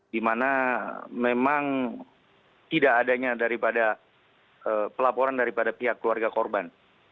di mana memang tidak adanya daripada pelaporan daripada pihak keluarga korban